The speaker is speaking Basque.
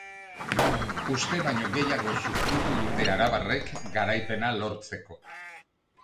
Uste baino gehiago sufritu dute arabarrek garaipena lortzeko.